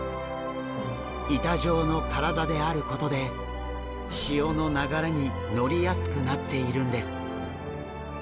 板状の体であることで潮の流れに乗りやすくなっているんです。